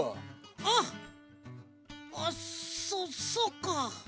あっあそそっか！